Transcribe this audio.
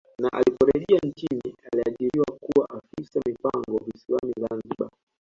Na liporejea nchini aliajiriwa kuwa afisa mipango visiwani Zanzibari